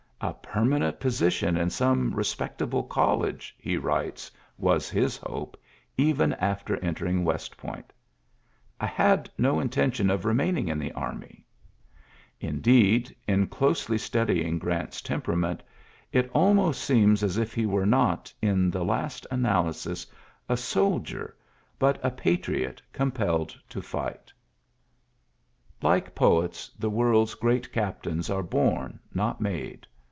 "A permanent position in some respect able college,'' he writes, was his hope, even after entering West Point. "I had no intention of remaining in the army." Indeed, in closely studying Grant's temperament, it almost seems as if he were not, in the last analysis, a sol dier, but a patriot compelled to fight ULYSSES S. GEANT 16 Like poets^ the world's great captains are bom, not made.